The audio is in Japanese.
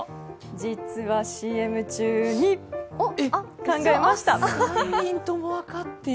実はＣＭ中に考えました。